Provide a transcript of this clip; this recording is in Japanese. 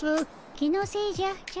気のせいじゃちゃ